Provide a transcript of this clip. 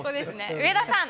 上田さん。